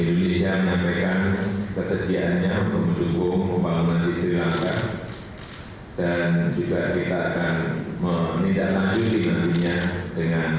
indonesia menyampaikan kesejahteraannya untuk mendukung pembangunan di sri lanka